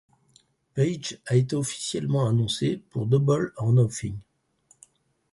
Page a été officiellement annoncé pour Double or Nothing.